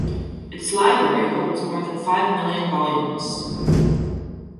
Its library holds more than five million volumes.